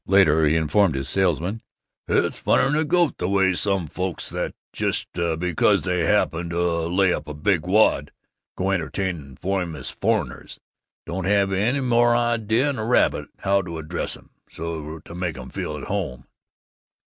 Later he informed his salesmen, "It's funnier 'n a goat the way some folks that, just because they happen to lay up a big wad, go entertaining famous foreigners, don't have any more idea 'n a rabbit how to address 'em so's to make 'em feel at home!"